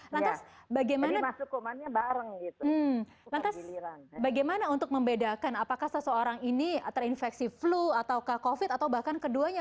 lantas bagaimana untuk membedakan apakah seseorang ini terinfeksi flu atau covid atau bahkan keduanya